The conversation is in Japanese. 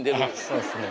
そうですね。